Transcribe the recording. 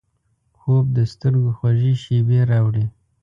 خوب د سترګو خوږې شیبې راوړي